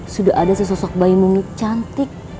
sudah ada sesosok bayi mumi cantik